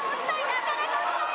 なかなか落ちない。